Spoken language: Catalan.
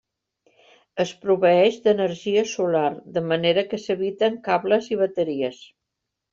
Es proveeix d'energia solar, de manera que s'eviten cables i bateries.